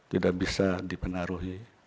tidak bisa dipenaruhi